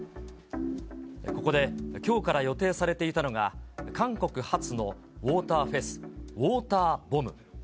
ここできょうから予定されていたのが、韓国発のウォーターフェス、ＷＡＴＥＲＢＯＭＢ。